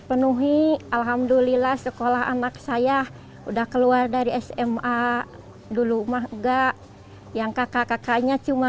penuhi alhamdulillah sekolah anak saya udah keluar dari sma dulu mah enggak yang kakak kakaknya cuma